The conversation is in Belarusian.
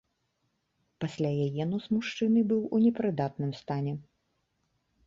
Пасля яе нос мужчыны быў у непрыдатным стане.